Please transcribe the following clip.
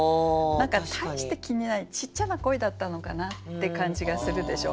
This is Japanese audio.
何か大して気にしないちっちゃな恋だったのかなって感じがするでしょう？